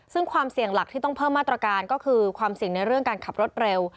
ซึ่งความเสี่ยงหลักที่ต้องเพิ่มมาตรการก็คือความเสี่ยงในเรื่องการขับรถเร็ว